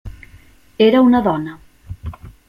Era una dona.